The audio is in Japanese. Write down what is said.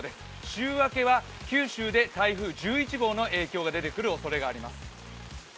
週明けは九州で台風１１号の影響が出てくるおそれがあります。